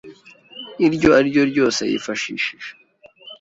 iryo ari ryo ryose yifashishije